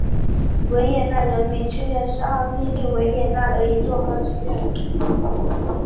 维也纳人民剧院是奥地利维也纳的一座歌剧院。